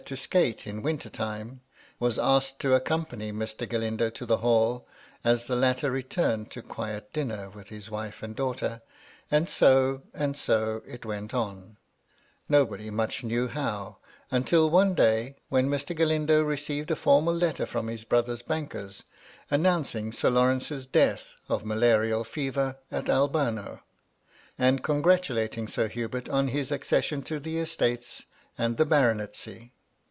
295 to skate in winter time; was asked to accompany Mr. Galindo to the Hall, as the latter returned to the quiet dinner with his wife and daughter ; and so, and so, it went on, nobody much knew how, until one day, when Mr. Galindo received a formal letter from his brother's bankers, announcing Sir Lawrence's death, of malaria fever, at Albano, and congratulating Sir Hubert on his accession to the estates and the baronetcy.